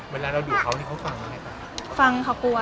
เวลาเราอยู่เค้านี่เค้าฟังกันไงอ่ะ